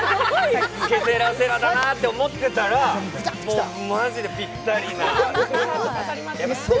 ケセラセラだなと思ってたらマジでピッタリな。